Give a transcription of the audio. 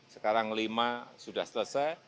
sekarang lima sudah selesai